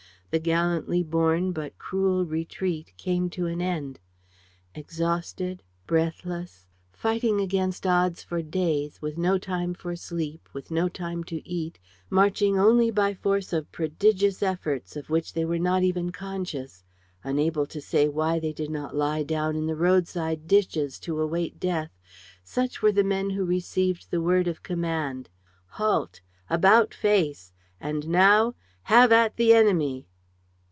The gallantly borne but cruel retreat came to an end. Exhausted, breathless, fighting against odds for days, with no time for sleep, with no time to eat, marching only by force of prodigious efforts of which they were not even conscious, unable to say why they did not lie down in the road side ditches to await death, such were the men who received the word of command: "Halt! About face! And now have at the enemy!"